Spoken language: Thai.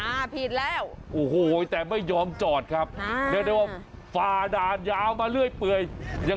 วู้วนี่คุณตำรวจจริงเหรอว่าเขาถ่ายหนังหรือเปล่าคะ